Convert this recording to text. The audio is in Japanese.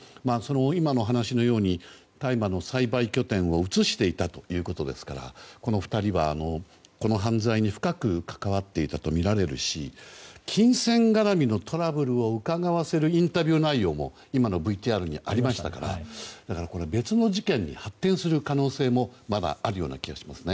今のお話のように大麻の栽培拠点を移していたということですからこの２人はこの犯罪に深く関わっていたとみられるし、金銭絡みのトラブルをうかがわせるインタビュー内容も今のＶＴＲにありましたからこれは別の事件に発展する可能性もまだあるような気がしますね。